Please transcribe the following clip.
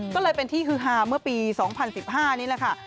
ก็เลยเป็นที่ฮือฮาเมื่อปี๒๐๑๕นี่แหละค่ะ